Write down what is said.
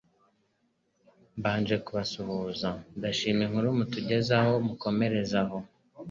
mbanje kubasuhuza ndashima inkuru mutugezaho mukomerezaho murakoze